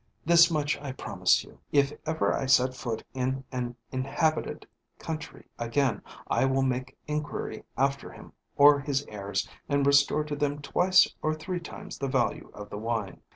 This much I promise you, if ever I set foot in an inhabited country again, I will make inquiry after him or his heirs, and restore to them twice or three times the value of the wine."